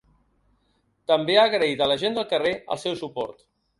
També ha agraït a la ‘gent del carrer’ el seu suport.